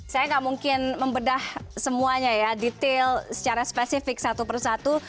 saya nggak mungkin membedah semuanya ya detail secara spesifik satu persatu